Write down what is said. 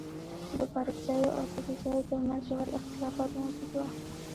د بارکزيو او سدوزيو تر منځ ژور اختلافات موجود وه.